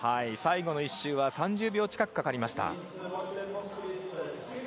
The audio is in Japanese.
最後の１周は３０秒近くかかりました。